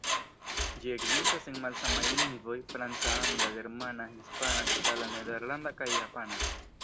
Ĝi ekzistas en malsamaj lingvoj: franca, angla, germana, hispana, itala, nederlanda kaj japana.